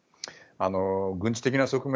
軍事的な側面